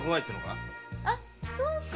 あそうか。